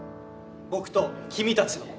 僕と君たちの。